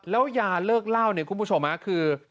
แล้วยาเลิกเล่าเนี่ยคุณผู้ชมคือ